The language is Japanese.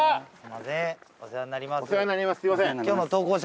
お世話になります。